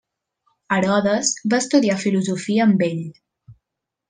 Herodes va estudiar filosofia amb ell.